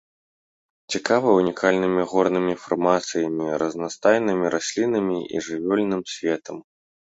Цікавы унікальнымі горнымі фармацыямі, разнастайным раслінным і жывёльным светам.